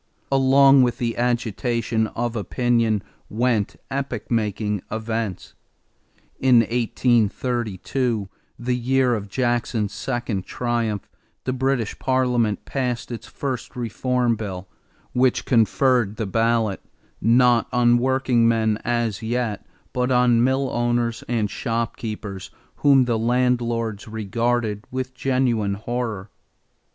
Along with the agitation of opinion went epoch making events. In 1832, the year of Jackson's second triumph, the British Parliament passed its first reform bill, which conferred the ballot not on workingmen as yet but on mill owners and shopkeepers whom the landlords regarded with genuine horror.